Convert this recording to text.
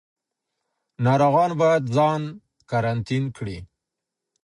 ناروغان باید ځان قرنطین کړي.